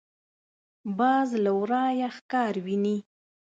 باز له ورايه ښکار ویني